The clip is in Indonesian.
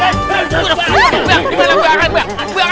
buang dimana buang